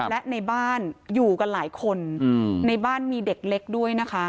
และในบ้านอยู่กันหลายคนในบ้านมีเด็กเล็กด้วยนะคะ